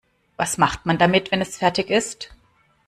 Was macht man damit, wenn es fertig ist?